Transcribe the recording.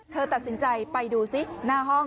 เธอตัดสินใจไปดูซิหน้าห้อง